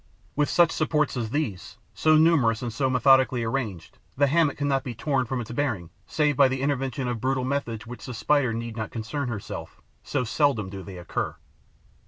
With such supports as these, so numerous and so methodically arranged, the hammock cannot be torn from its bearings save by the intervention of brutal methods with which the Spider need not concern herself, so seldom do they occur.